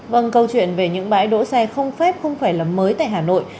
vâng câu chuyện về những bãi đỗ xe không phép không phải là mới tại hà nội